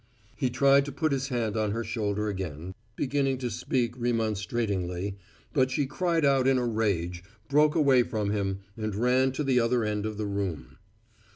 He tried to put his hand on her shoulder again, beginning to speak remonstratingly, but she cried out in a rage, broke away from him, and ran to the other end of the room.